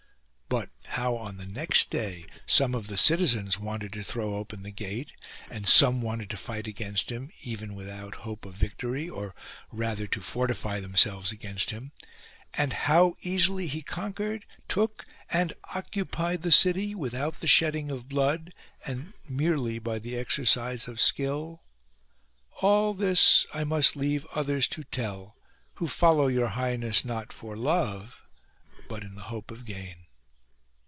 But, how on the next day some of the citizens wanted to throw open the gate ; and some wanted to fight against him, even without hope of H7 THE BISHOP OF FRIULI victory, or rather to fortify themselves against him ; and how easily he conquered, took and occupied the city, without the shedding of blood, and merely by the exercise of skill ;— all this I must leave others to tell, who follow your highness not for love, but in the hope of gain.